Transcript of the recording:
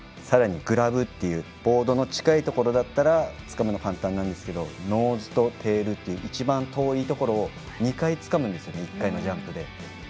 さらにグラブというボードの近いところだったらつかむのは簡単なんですがノーズとテールという一番遠いところを２回つかむんです１回のジャンプで。